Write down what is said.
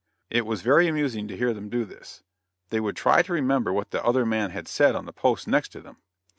It was very amusing to hear them do this. They would try to remember what the other man had said on the post next to them.